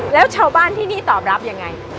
แล้วชาวบ้านที่นี่ตอบรับยังไง